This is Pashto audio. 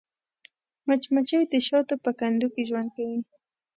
مچمچۍ د شاتو په کندو کې ژوند کوي